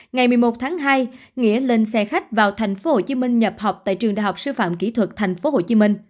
ngày một mươi một tháng hai nghĩa lên xe khách vào tp hcm nhập học tại trường đại học sư phạm kỹ thuật tp hcm